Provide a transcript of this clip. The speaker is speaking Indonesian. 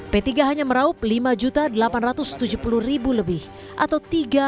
p tiga hanya meraup lima delapan ratus tujuh puluh lebih atau tiga